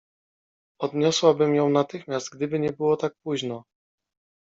Odniosłabym ją natychmiast, gdyby nie było tak późno.